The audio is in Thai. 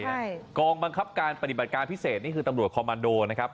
ใช่กองบังคับการปฏิบัติการพิเศษนี่คือตำรวจคอมมันโดนะครับ